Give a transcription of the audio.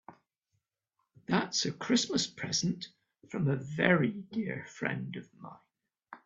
That's a Christmas present from a very dear friend of mine.